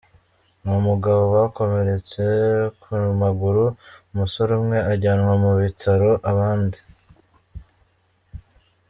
numugabo bakomeretse ku maguru, umusore umwe ajyanwa mu bitaro, abandi.